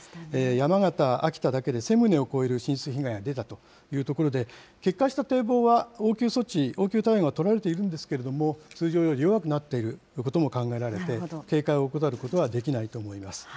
山形、秋田だけで１０００棟を超える浸水被害が出たというところで、決壊した堤防は応急措置、応急対応が取られているんですけれども、通常より弱くなっているということも考えられて、警戒を怠ることはできないと思います。